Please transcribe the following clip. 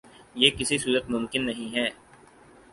یہ کسی صورت ممکن نہیں ہے